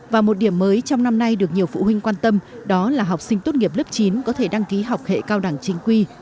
và một điểm mới trong năm nay được nhiều phụ huynh quan tâm đó là học sinh tốt nghiệp lớp chín có thể đăng ký học hệ cao đẳng chính quy